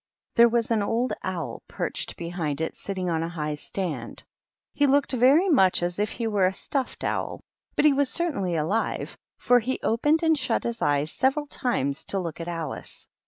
There was an old owl perched behind it sitting on a high stand. He looked very much as if he were a stuffed owl, but he was certainly alive, for he opened and shut his eyes several times to look at Alice.